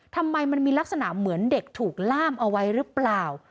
ทำไมมันมีลักษณะเหมือนเด็กถูกล่ามเอาไว้หรือเปล่า